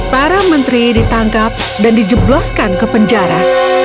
para menteri ditangkap dan dijebloskan ke penjara